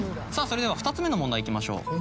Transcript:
さぁそれでは２つ目の問題いきましょう。